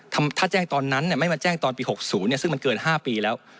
ถ้าแจ้งตอนนั้นไม่มาแจ้งตอนปี๖๐ซึ่งมันเกิน๕ปีแล้ว